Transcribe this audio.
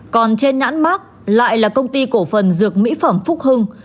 còn trên nhãn mát lại là công ty cổ phần dược mỹ phẩm phúc hưng